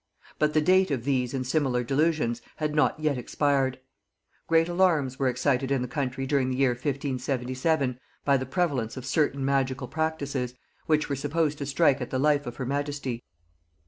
But the date of these and similar delusions had not yet expired. Great alarms were excited in the country during the year 1577 by the prevalence of certain magical practices, which were supposed to strike at the life of her majesty.